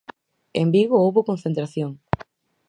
En Vigo houbo concentración.